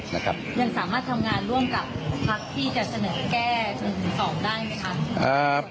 ยังสามารถทำงานร่วมกับภักดิ์ที่จะเสนอแก้๑๒ได้ไหมคะ